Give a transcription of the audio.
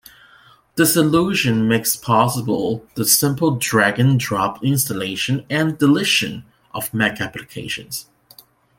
This illusion makes possible the simple drag-and-drop installation and deletion of Mac applications.